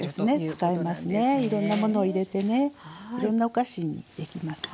いろんなものを入れてねいろんなお菓子にできますね。